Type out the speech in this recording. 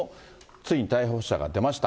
ついに逮捕者が出ました。